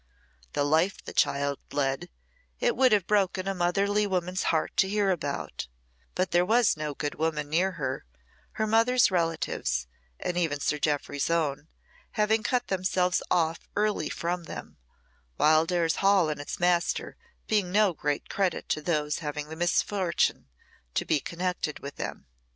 The life the child led, it would have broken a motherly woman's heart to hear about; but there was no good woman near her, her mother's relatives, and even Sir Jeoffry's own, having cut themselves off early from them Wildairs Hall and its master being no great credit to those having the misfortune to be connected with them.